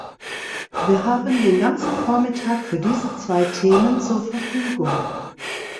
Wir haben den ganzen Vormittag für diese zwei Themen zur Verfügung.